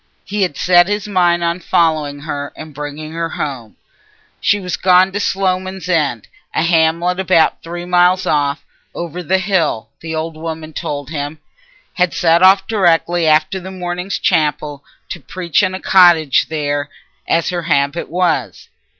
He had set his mind on following her and bringing her home. She was gone to Sloman's End, a hamlet about three miles off, over the hill, the old woman told him—had set off directly after morning chapel, to preach in a cottage there, as her habit was.